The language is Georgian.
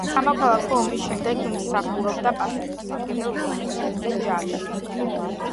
სამოქალაქო ომის შემდეგ მსახურობდა პასუხისმგებელ პოზიციებზე ჯარში.